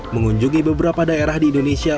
mengunjungi beberapa daerah di indonesia